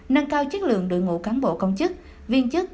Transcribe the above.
nâng cao chất lượng đội ngũ cán bộ công chức viên chức